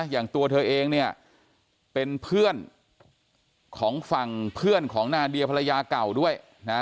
อย่างตัวเธอเองเนี่ยเป็นเพื่อนของฝั่งเพื่อนของนาเดียภรรยาเก่าด้วยนะ